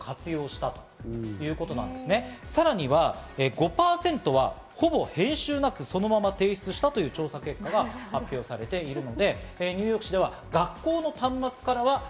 ５％はほぼ編集なく、そのまま提出したという研究結果が発表されています。